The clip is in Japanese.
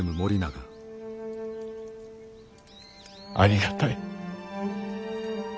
ありがたい。